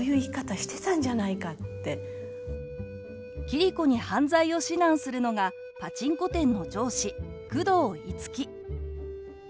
桐子に犯罪を指南するのがパチンコ店の上司久遠樹。